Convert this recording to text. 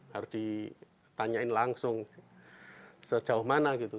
harus ditanyain langsung sejauh mana gitu